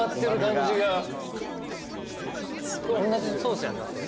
おんなじソースやんなそれ。